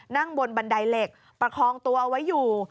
นั่งบนบันไดเหล็กประคองตัวเอาไว้อยู่